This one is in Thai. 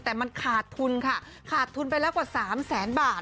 แต่มันขาดทุนค่ะขาดทุนไปแล้วกว่า๓แสนบาท